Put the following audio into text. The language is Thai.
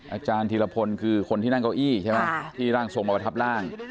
อาจารย์ธีรพลคือคนที่นั่งเก้าอี้ใช่ไหมที่ร่างทรงมาประทับร่าง